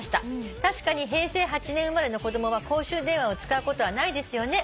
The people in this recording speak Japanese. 「確かに平成８年生まれの子供は公衆電話を使うことはないですよね」